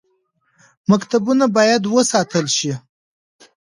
مکتبونه باید وساتل شي